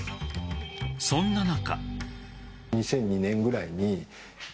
そんな中。